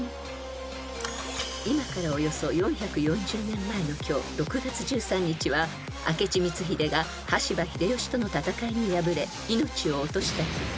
［今からおよそ４４０年前の今日６月１３日は明智光秀が羽柴秀吉との戦いに敗れ命を落とした日。